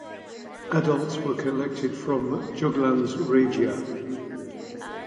Adults were collected from "Juglans regia".